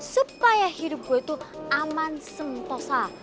supaya hidup gue itu aman sentosa